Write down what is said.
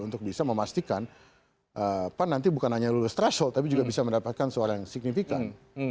untuk bisa memastikan pan nanti bukan hanya lulus threshold tapi juga bisa mendapatkan suara yang signifikan